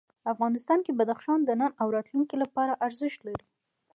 افغانستان کې بدخشان د نن او راتلونکي لپاره ارزښت لري.